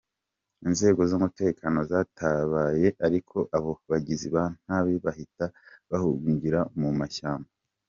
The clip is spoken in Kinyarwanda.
Inzego z’umutekano zatabaye ariko abo bagizi ba nabo bahita bahungira mu mashyamba.